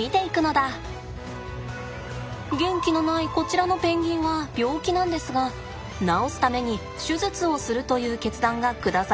元気のないこちらのペンギンは病気なんですが治すために手術をするという決断が下されました。